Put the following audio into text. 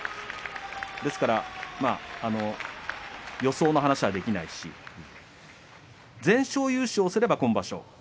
ですから、予想の話はできないし全勝優勝すれば今場所